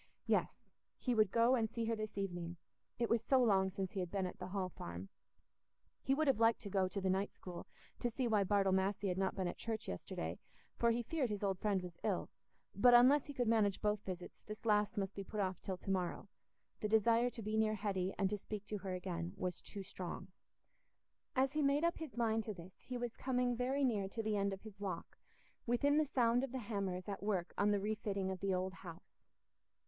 Yes, he would go and see her this evening—it was so long since he had been at the Hall Farm. He would have liked to go to the night school, to see why Bartle Massey had not been at church yesterday, for he feared his old friend was ill; but, unless he could manage both visits, this last must be put off till to morrow—the desire to be near Hetty and to speak to her again was too strong. As he made up his mind to this, he was coming very near to the end of his walk, within the sound of the hammers at work on the refitting of the old house.